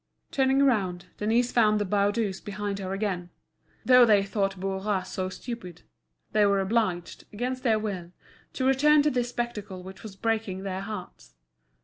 Turning round, Denise found the Baudus behind her again. Though they thought Bourras so stupid, they were obliged, against their will, to return to this spectacle which was breaking their hearts.